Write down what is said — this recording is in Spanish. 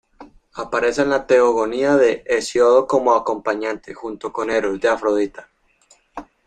Aparece en la "Teogonía" de Hesíodo como acompañante, junto con Eros, de Afrodita.